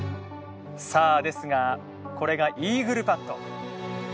さあですがこれがイーグルパット。